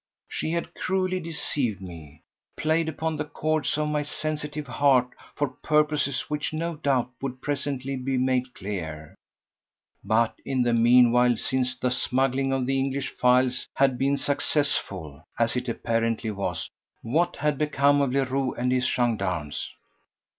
She had cruelly deceived me, played upon the chords of my sensitive heart for purposes which no doubt would presently be made clear, but in the meanwhile since the smuggling of the English files had been successful—as it apparently was—what had become of Leroux and his gendarmes?